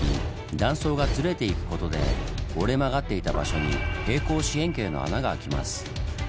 断層がずれていくことで折れ曲がっていた場所に平行四辺形の穴が開きます。